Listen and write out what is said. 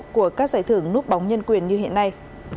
của các giải thưởng núp bóng nhân quyền như hiện nay